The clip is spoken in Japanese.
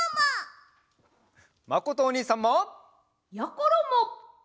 まことおにいさんも！やころも！